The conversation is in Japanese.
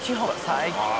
最高。